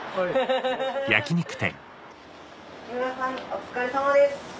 木村さんお疲れさまです！